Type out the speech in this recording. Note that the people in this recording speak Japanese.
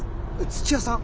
土屋さん。